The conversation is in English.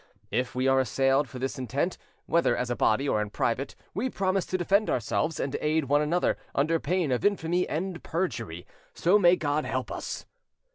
If we are assailed for this intent, whether as a body or in private, we promise to defend ourselves, and to aid one another, under pain of infamy and perjury. So may God help us.